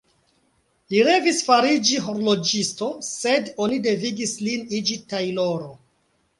Li revis fariĝi horloĝisto, sed oni devigis lin iĝi tajloro.